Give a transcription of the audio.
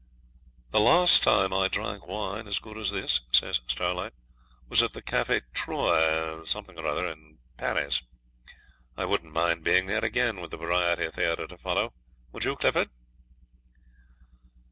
'The last time I drank wine as good as this,' says Starlight, 'was at the Caffy Troy, something or other, in Paris. I wouldn't mind being there again, with the Variety Theatre to follow. Would you, Clifford?'